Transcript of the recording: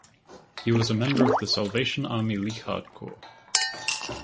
He was member of the Salvation Army Leichhardt Corps.